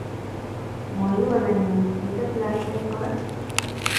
Mwoiwo anyun, kiteb lakwet kora